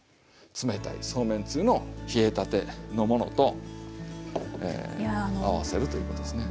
冷たいそうめんつゆの冷えたてのものと合わせるということですね。